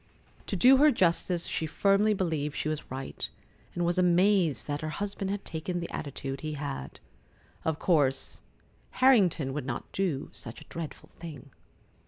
To do her justice, she firmly believed she was right, and was amazed that her husband had taken the attitude he had. Of course Harrington would not do such a dreadful thing.